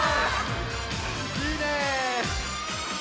いいね！